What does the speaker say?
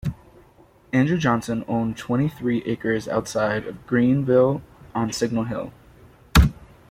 Andrew Johnson owned twenty-three acres outside Greeneville on Signal Hill.